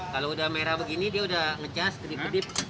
kalau udah merah begini dia udah ngecas kedip kedip